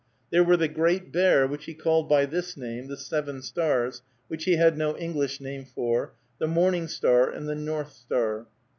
They were the Great Bear, which he called by this name, the Seven Stars, which he had no English name for, "the morning star," and "the north star."